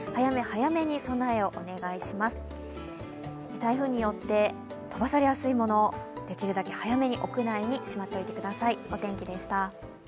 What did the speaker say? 台風によって飛ばされやすいもの、できるだけ早めに屋内にしまっておいてください。